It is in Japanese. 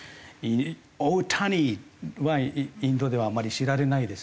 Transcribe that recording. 大谷はインドではあまり知られないですね。